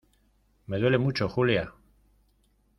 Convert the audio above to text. me duele mucho, Julia